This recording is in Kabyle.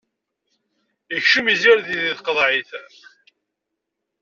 Ikcem izirdi di tqeḍɛit.